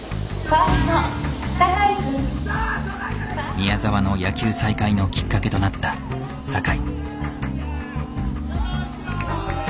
宮澤の野球再開のきっかけとなった酒井。